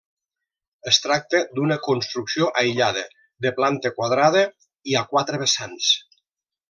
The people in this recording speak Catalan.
Es tracta d'una construcció aïllada, de planta quadrada i a quatre vessants.